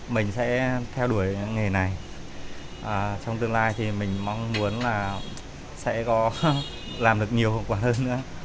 mình sẽ theo đuổi nghề này trong tương lai thì mình mong muốn là sẽ có làm được nhiều hậu quả hơn nữa